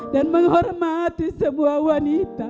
dan menghormati sebuah wanita